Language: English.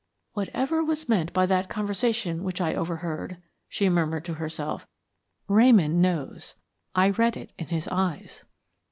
"Whatever was meant by that conversation which I overheard," she murmured to herself, "Ramon knows. I read it in his eyes."